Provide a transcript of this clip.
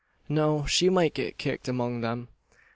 "No, she might get kicked among them.